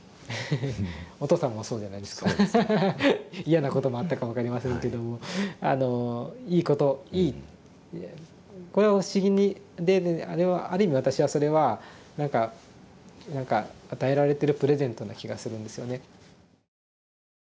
嫌なこともあったか分かりませんけどもあのいいこといいこれは不思議である意味私はそれは何か何か与えられてるプレゼントな気がするんですよね。